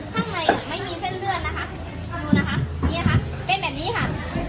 ข้างในไม่มีเส้นเลือดนะคะเอาดูนะคะนี่นะคะเป็นแบบนี้ค่ะ